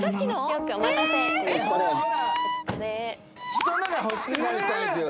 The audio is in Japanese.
人のが欲しくなるタイプよ！